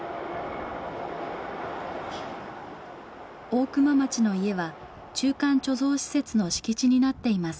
大熊町の家は中間貯蔵施設の敷地になっています。